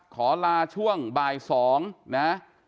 ขอลาช่วงบ่าย๒นะ